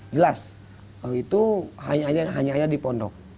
jelas itu hanya di pondok